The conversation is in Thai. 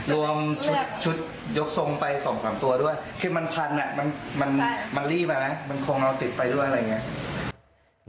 รวมชุดยกทรงไป๒๓ตัวด้วยคือมันพันอ่ะมันรีบมานะมันคงเราติดไปด้วยอะไรอย่างนี้